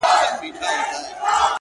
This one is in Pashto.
اې گل گوتې څوڼې دې. ټک کایتک کي مه اچوه